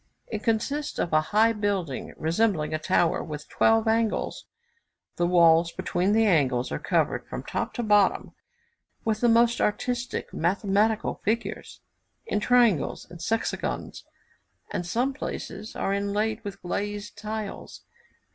It consists of a high building, resembling a tower with twelve angles; the walls between the angles are covered, from top to bottom, with the most artistic mathematical figures in triangles and sexagons, and some places are inlaid with glazed tiles.